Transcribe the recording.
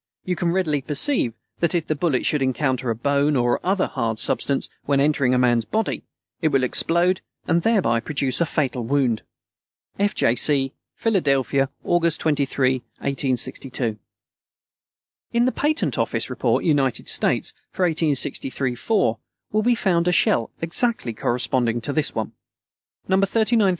You can readily perceive that if the bullet should encounter a bone or other hard substance when entering a man's body, it will explode and thereby produce a fatal wound. F. J. C. PHILADELPHIA, August 23, 1862. In the Patent Office Report (United States) for 1863 4 will be found a shell exactly corresponding to this one: No.